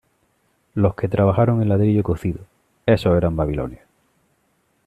Los que trabajaron el ladrillo cocido, esos eran babilonios.